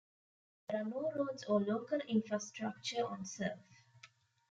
There are no roads or local infrastructure on Cerf.